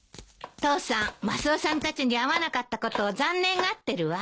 父さんマスオさんたちに会わなかったことを残念がってるわ。